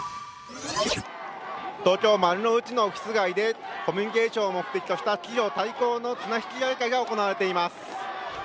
東京・丸の内のオフィス街でコミュニケーションを目的とした企業対抗の綱引き大会が行われています。